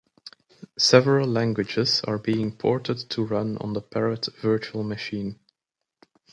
Several languages are being ported to run on the Parrot virtual machine.